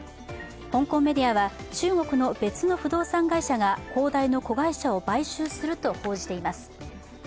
香港メディアは中国の別の不動産会社が恒の買収すると報じています。